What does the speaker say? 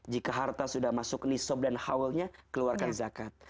jika harta sudah masuk nisob dan haulnya keluarkan zakat